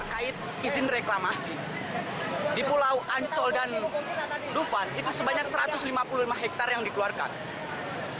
kait izin reklamasi di pulau ancol dan dufan itu sebanyak satu ratus lima puluh lima hektare yang dikeluarkan